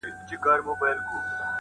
په صدقو ولي کيدے نه شي څوک